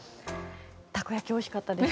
たこ焼き、おいしかったです。